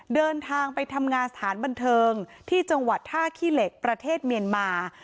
เดินทางไปทำงานสถานบันเทิงที่จังหวัดท่าขี้เหล็กประเทศเมียนมา